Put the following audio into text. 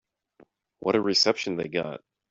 What a reception they got.